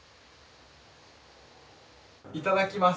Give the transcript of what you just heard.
いただきます！